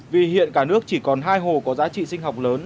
vì hiện cả nước chỉ còn hai hồ có giá trị sinh học lớn